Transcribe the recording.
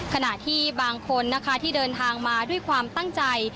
ขณะที่บางคนนะคะที่เดินทางมาด้วยความตั้งใจ